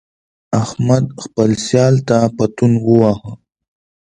احمد خپل سیال ته پتون وواهه.